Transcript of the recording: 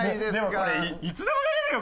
でもこれいつでも出れるよ！